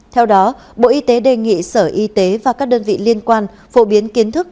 theo đó bộ y tế đề nghị sở y tế và các đơn vị liên quan phổ biến kiến thức